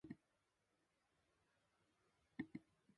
惑星とは、恒星の周りを回る天体のうち、比較的低質量のものをいう。